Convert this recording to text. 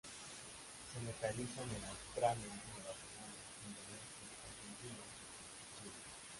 Se localizan en Australia, Nueva Zelanda, Indonesia, Argentina y Chile.